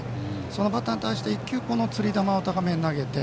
そのバッターに対して１球、つり球を高めに投げて